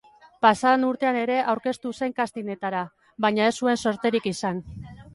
Pasaden urtean ere aurkeztu zen castingetara, baina ez zuen zorterik izan.